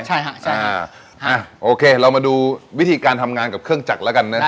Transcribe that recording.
ใช่ค่ะใช่อ่ะโอเคเรามาดูวิธีการทำงานกับเครื่องจักรแล้วกันนะครับ